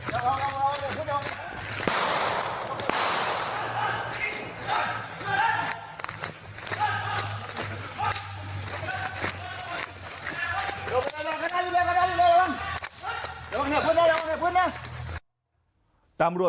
ตรงนี้อย่าคุ้นนะอย่าคุ้นนะ